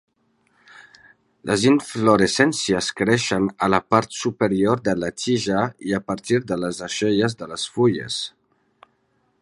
Les inflorescències creixen a la part superior de la tija i a partir de les axil·les de les fulles.